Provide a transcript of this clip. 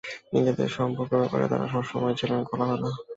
নিজেদের সম্পর্কের ব্যাপারে তাঁরা সব সময়ই ছিলেন খোলামেলা।